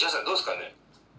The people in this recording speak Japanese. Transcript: どうですかね？」。